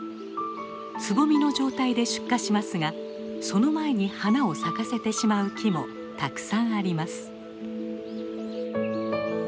つぼみの状態で出荷しますがその前に花を咲かせてしまう木もたくさんあります。